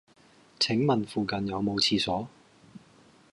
請問附近有無廁所